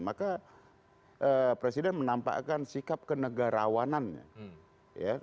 maka presiden menampakkan sikap kenegarawanannya